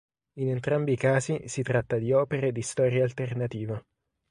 In entrambi i casi si tratta di opere di storia alternativa.